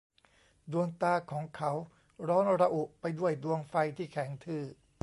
ดวงตาของเขาร้อนระอุไปด้วยดวงไฟที่แข็งทื่อ